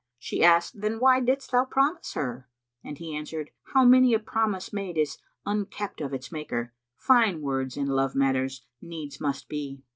She asked, "Then why didst thou promise her?"; and he answered, "How many a promise made is unkept of its maker! Fine words in love matters needs must be."